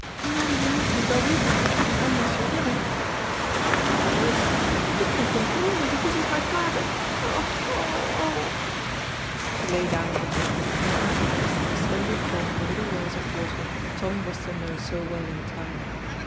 "Maybe you needna go wi' him unless you're willing?" "I must, he can compel me, because he is my father. Oh! oh! oh!" She lay down on the bed, and on her eyes there slowly formed the little wells of water Tommy was to know so well in time.